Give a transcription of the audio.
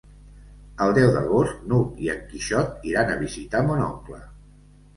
El deu d'agost n'Hug i en Quixot iran a visitar mon oncle.